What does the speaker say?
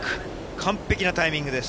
完璧なタイミングです。